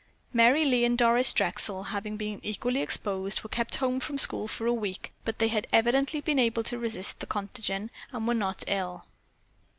Merry Lee and Doris Drexel, having been equally exposed, were kept home from school for a week, but they had evidently been able to resist the contagion and were not ill.